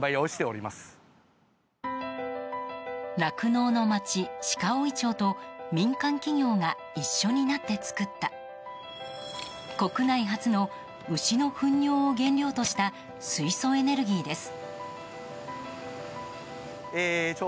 酪農の町・鹿追町と民間企業が一緒になって作った国内初の牛の糞尿を原料とした水素エネルギーです。